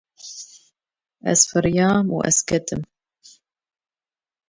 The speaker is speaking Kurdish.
Ez firîyam û ez ketim